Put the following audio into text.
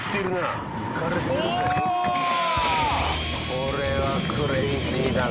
これはクレイジーだね。